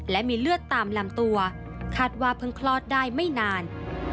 และมีเลือดตามลำตัวคาดว่าเพิ่งคลอดได้ไม่นาน